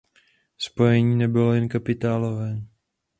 Spojení nebylo jen kapitálové.